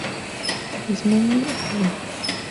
Arismendi, Av.